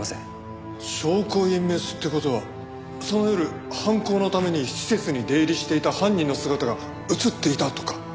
証拠隠滅って事はその夜犯行のために施設に出入りしていた犯人の姿が映っていたとか？